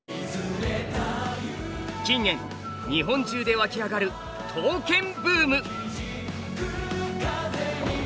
近年日本中でわき上がる刀剣ブーム。